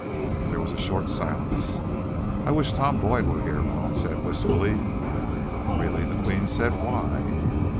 There was a short silence. "I wish Tom Boyd were here," Malone said wistfully. "Really?" the Queen said. "Why?"